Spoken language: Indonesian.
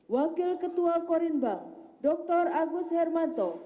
wakil ketua korinba dr agus hermanto